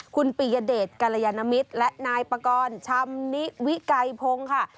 คุณปียเดชกรยานมิตรและนายปากรชำนิวิกัยพงศ์ค่ะ